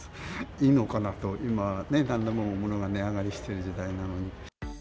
いいのかなと、今、なんでも物がもう値上がりしてる時代なのに。